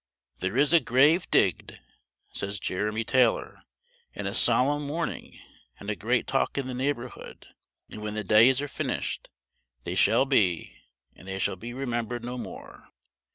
"There is a grave digged," says Jeremy Taylor, "and a solemn mourning, and a great talk in the neighborhood, and when the daies are finished, they shall be, and they shall be remembered no more."